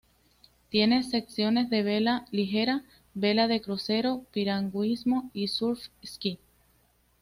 Tiene secciones de vela ligera, vela de crucero, piragüismo y surf ski.